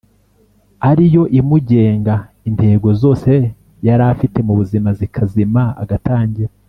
ari yo imugenga, intego zose yari afite mu buzima zikazima, agatangira